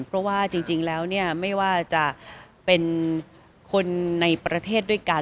เพราะว่าจริงแล้วไม่ว่าจะเป็นคนในประเทศด้วยกัน